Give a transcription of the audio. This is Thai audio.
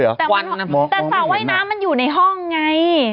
แต่สระว่ายน้ำมันอยู่ในห้องไง